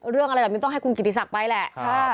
เรื่องอะไรแบบนี้ต้องให้คุณกิติศักดิ์ไปแหละ